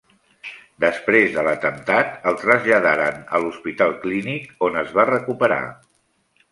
Després de l'atemptat el traslladaren a l'Hospital Clínic on es va recuperar.